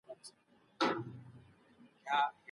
په پخوانیو کتابونو کې یې ذکر شوی دی.